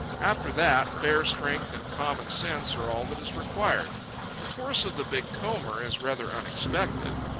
After that, fair strength and common sense are all that is required. The force of the big comber is rather unexpected.